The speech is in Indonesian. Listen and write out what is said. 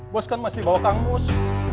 bos kan masih bawa kang mus